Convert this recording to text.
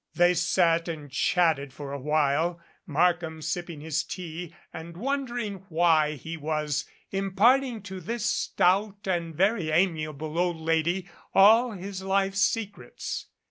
They sat and chatted for a while, Markham sipping his tea and wondering why he was imparting to this stout and very amiable old lady all his life's secrets.